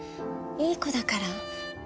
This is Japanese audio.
いい子だから。